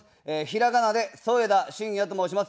ひらがなで、そえだしんやと申します。